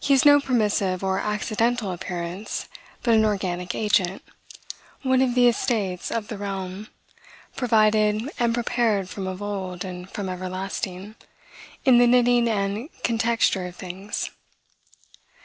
He is no permissive or accidental appearance, but an organic agent, one of the estates of the realm, provided and prepared from of old and from everlasting, in the knitting and contexture of things.